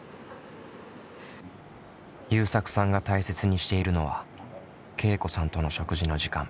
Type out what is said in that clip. ゆうさくさんが大切にしているのはけいこさんとの食事の時間。